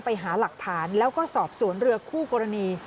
ไปหาหลักฐานแล้วก็สอบสวนเรือคู่กรณี